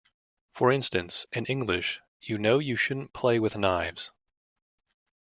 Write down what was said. For instance, in English, You know you shouldn't play with knives!